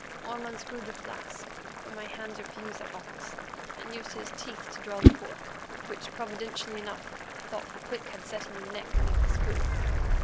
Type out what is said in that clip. Orme unscrewed the flask, for my hands refused that office, and used his teeth to draw the cork, which, providentially enough the thoughtful Quick had set in the neck beneath the screw.